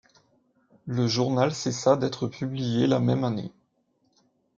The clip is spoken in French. Le journal cessa d'être publié la même année.